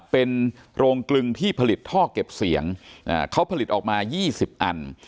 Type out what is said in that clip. เป็นโรงกลึงที่ผลิตท่อเก็บเสียงเขาผลิตออกมา๒๐อัน